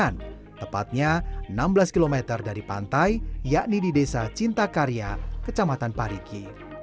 kecamatan tepatnya enam belas km dari pantai yakni di desa cintakarya kecamatan pariki